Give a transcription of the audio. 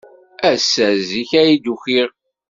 Ass-a, zik ay d-ukiɣ.